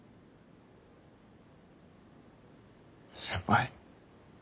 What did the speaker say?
先輩。